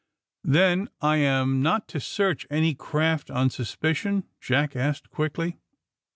''^' Then I am not to search any craft on sus picion!" Jack asked quickly.